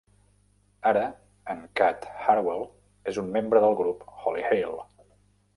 Ara, en Cat Hartwell és un membre del grup Holy Hail.